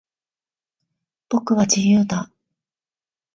僕は、自由だ。